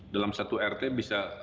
dalam satu rt bisa